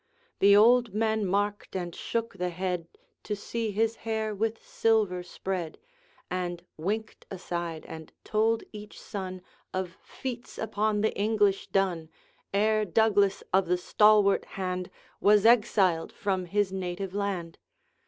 The old men marked and shook the head, To see his hair with silver spread, And winked aside, and told each son Of feats upon the English done, Ere Douglas of the stalwart hand Was exiled from his native land.